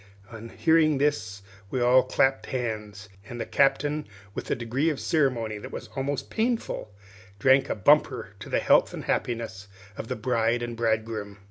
On hearing this we all clapped hands, and the Captain, with a degree of ceremony that was almost painful, drank a bumper to the health and happiness of the bride and bridegroom.